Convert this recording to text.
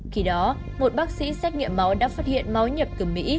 khi đó một bác sĩ xét nghiệm máu đã phát hiện máu nhập từ mỹ